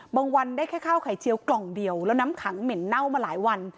วันได้แค่ข้าวไข่เจียวกล่องเดียวแล้วน้ำขังเหม็นเน่ามาหลายวัน